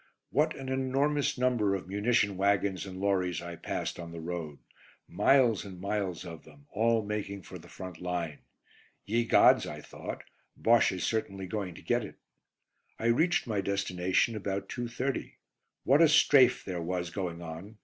What an enormous number of munition waggons and lorries I passed on the road; miles and miles of them, all making for the front line. "Ye gods!" I thought, "Bosche is certainly going to get it." I reached my destination about 2.30. What a "strafe" there was going on!